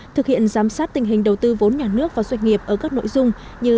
thực hiện giám sát tình hình đầu tư vốn nhà nước vào doanh nghiệp ở các nội dung như